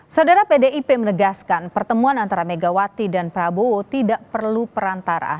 saudara pdip menegaskan pertemuan antara megawati dan prabowo tidak perlu perantara